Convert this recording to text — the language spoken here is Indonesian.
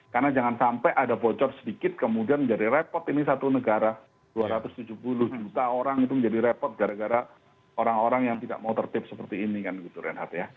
karena jangan sampai ada bocor sedikit kemudian menjadi repot ini satu negara dua ratus tujuh puluh juta orang itu menjadi repot gara gara orang orang yang tidak mau tertip seperti ini kan gitu renhard ya